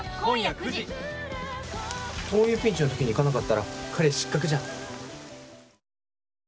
こういうピンチの時に行かなかったら彼氏失格じゃん。